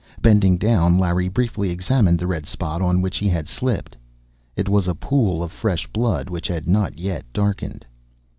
Bending down, Larry briefly examined the red spot on which he had slipped. It was a pool of fresh blood which had not yet darkened.